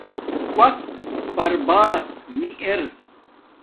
وقت برباد نی ار